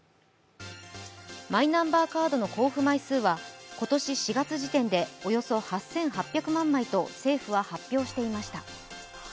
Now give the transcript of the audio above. マイナンバーカードの交付枚数は今年４月時点でおよそ８８００万枚と政府は発表していました。